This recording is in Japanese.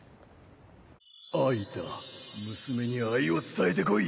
愛だ娘に愛を伝えてこい！